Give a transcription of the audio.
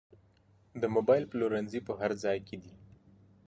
د موبایل پلورنځي په هر ځای کې دي